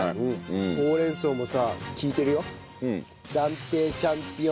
ほうれん草もさ利いてるよ。